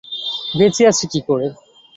বেঁচে আছি কী করে?